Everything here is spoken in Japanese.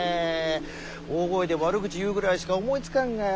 大声で悪口言うぐらいしか思いつかんがや。